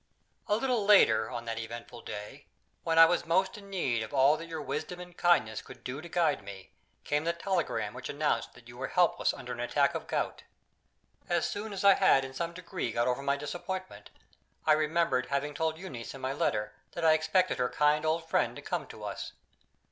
A little later, on that eventful day, when I was most in need of all that your wisdom and kindness could do to guide me, came the telegram which announced that you were helpless under an attack of gout. As soon as I had in some degree got over my disappointment, I remembered having told Euneece in my letter that I expected her kind old friend to come to us.